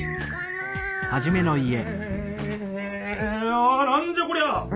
あなんじゃこりゃ？